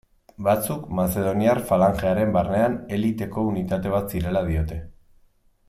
Batzuk, mazedoniar falangearen barnean eliteko unitate bat zirela diote.